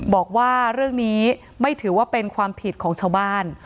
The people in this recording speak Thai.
บอกว่าเรื่องนี้ไม่ถือว่าเป็นความผิดของชาวบ้าน